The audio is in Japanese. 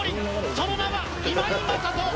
その名は今井正人。